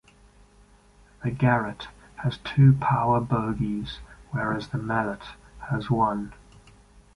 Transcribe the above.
The Garratt has two power bogies, whereas the Mallet has one.